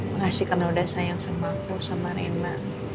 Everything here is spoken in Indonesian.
makasih karena udah sayang sama aku sama rena